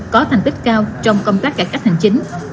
có thành tích cao trong công tác cải cách hành chính